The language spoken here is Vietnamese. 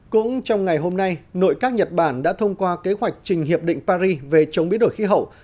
cũng trong ngày hôm nay nội các nhật bản đã thông qua kế hoạch trình hiệp định paris về chống biến đổi khí hậu